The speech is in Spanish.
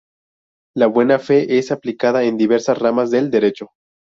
La buena fe es aplicada en diversas ramas del derecho.